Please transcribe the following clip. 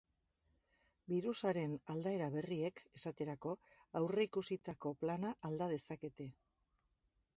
Birusaren aldaera berriek, esaterako, aurreikusitako plana alda dezakete.